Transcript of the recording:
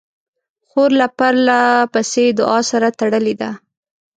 خور له پرله پسې دعا سره تړلې ده.